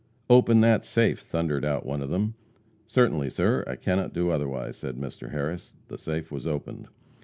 "Open that safe!" thundered out one of them. "Certainly, sir. I cannot do otherwise," said Mr. Harris. The safe was opened.